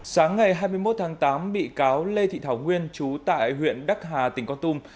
sáng ngày hai mươi một tháng tám bị cáo lê thị thảo nguyên chú tại huyện đắc hà tỉnh con tum